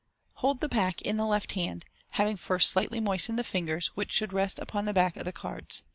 — Hold the pack in the left hand, having first slightly moistened the fingers, which should rest upon the back of the cards.